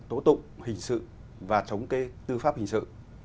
tố tụng hình sự và chống kê tư pháp hình sự